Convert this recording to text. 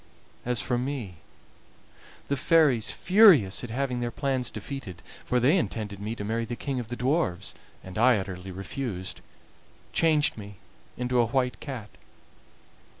As for me, the fairies, furious at having their plans defeated, for they intended me to marry the king of the dwarfs, and I utterly refused, changed me into a white cat.